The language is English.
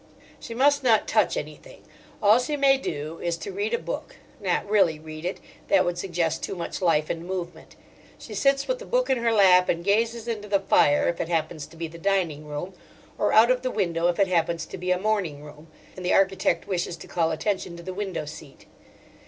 She must not touch anything. All she may do is to read a book—not really read it, that would suggest too much life and movement: she sits with the book in her lap and gazes into the fire, if it happens to be the dining room: or out of the window if it happens to be a morning room, and the architect wishes to call attention to the window seat.